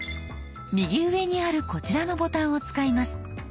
右上にあるこちらのボタンを使います。